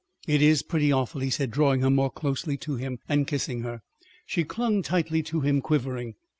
"It is pretty awful," he said, drawing her more closely to him and kissing her. She clung tightly to him, quivering.